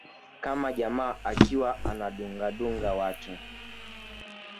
"Kama jamaa akiwa anadungadunga watu